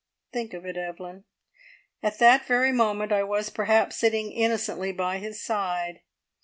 "Think of it, Evelyn at that very moment I was, perhaps, sitting innocently by his side.